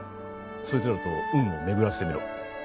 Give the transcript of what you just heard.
そいつらと運を巡らせてみろ。